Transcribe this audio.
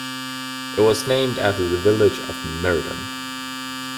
It was named after the village of Meriden.